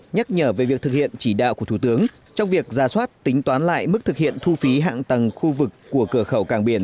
nhắc nhở về việc thực hiện chỉ đạo của thủ tướng trong việc ra soát tính toán lại mức thực hiện thu phí hạ tầng khu vực của cửa khẩu càng biển